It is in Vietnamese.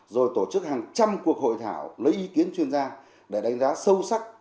rồi tổ chức hàng trăm cuộc hội thảo lấy ý kiến chuyên gia để đánh giá sâu sắc